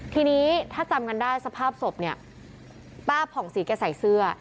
ทีนี้ถ้าจำกันได้สภาพศพเนี่ยป้าผ่องศรีแกใส่เสื้อ